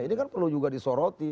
ini kan perlu juga disoroti